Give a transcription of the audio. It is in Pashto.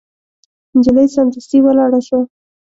نجلۍ سمدستي ولاړه شوه.